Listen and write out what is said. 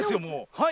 はい。